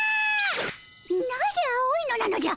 なぜ青いのなのじゃ！